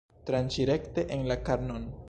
Tranĉi rekte en la karnon.